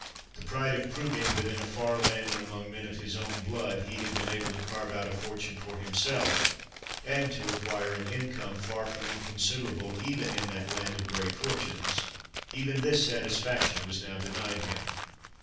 The pride of proving that in a far land, and among men of his own blood, he had been able to carve out a fortune for himself, and to acquire an income, far from inconsiderable even in that land of great fortunes: even this satisfaction was now denied him.